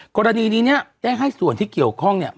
กรณีนี้เนี่ยได้ให้ส่วนที่เกี่ยวข้องเนี่ย